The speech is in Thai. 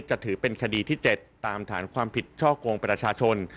จะถือเป็นคดีที่๗ตามฐานความผิดช่อกงประชาชน